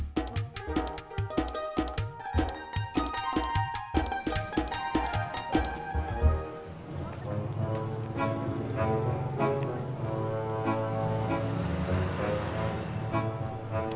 tapi gambarnya pakai cetak semen